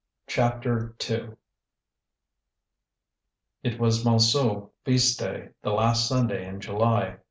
CHAPTER II It was Montsou feast day, the last Sunday in July.